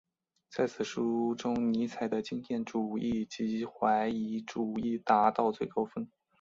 在此书中尼采的经验主义及怀疑主义达到最高峰。